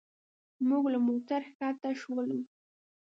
موږ له موټر ښکته شولو.